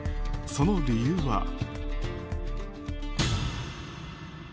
その理由は。